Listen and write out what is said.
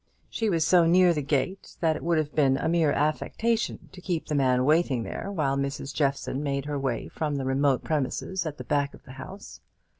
She was so near the gate that it would have been a mere affectation to keep the man waiting there while Mrs. Jeffson made her way from the remote premises at the back of the house.